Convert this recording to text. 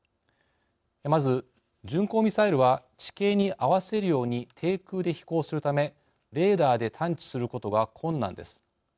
まず、巡航ミサイルは地形に合わせるように低空で飛行するためレーダーで探知することが困難です。